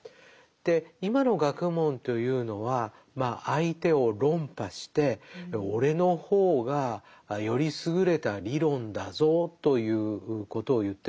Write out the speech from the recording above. で今の学問というのはまあ相手を論破して俺の方がより優れた理論だぞということを言ってるわけですね。